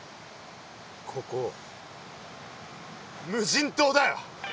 ここ無人島だよ！